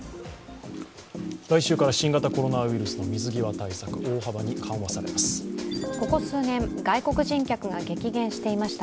来週から新型コロナウイルスの水際対策、大幅に緩和されます。